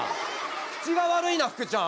口が悪いなふくちゃん。